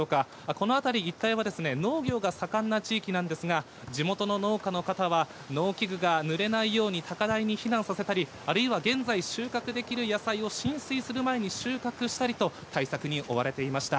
この辺り一帯は、農業が盛んな地域なんですが、地元の農家の方は、農機具がぬれないように、高台に避難させたり、あるいは現在収穫できる野菜を浸水する前に収穫したりと、対策に追われていました。